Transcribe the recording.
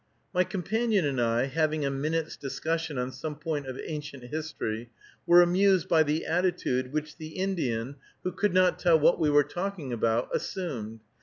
My companion and I, having a minute's discussion on some point of ancient history, were amused by the attitude which the Indian, who could not tell what we were talking about, assumed.